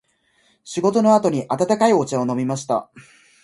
仕事の後に温かいお茶を飲みました。